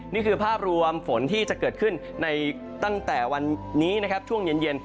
นี่คือภาพรวมฝนที่จะเกิดขึ้นในตั้งแต่วันนี้นะครับช่วงเย็น